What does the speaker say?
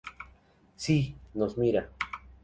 Sí, nos mira.